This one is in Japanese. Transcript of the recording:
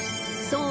そう！